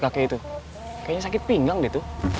kayaknya sakit pinggang deh tuh